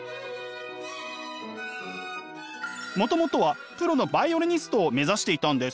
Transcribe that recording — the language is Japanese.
もともとはプロのバイオリニストを目指していたんです。